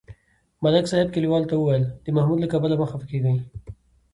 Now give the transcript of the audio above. ملک صاحب کلیوالو ته ویل: د محمود له کبله مه خپه کېږئ.